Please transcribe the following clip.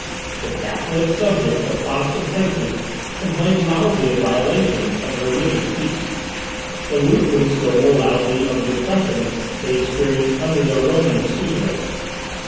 The Catholic subject of Protestant princes complained loudly of violations of the religious peace the Lutherans still more loudly of the oppression they experienced under their Romanist suzerains.